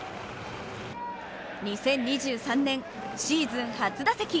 ２０２３年、シーズン初打席。